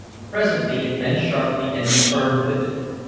Presently it bent sharply, and we turned with it.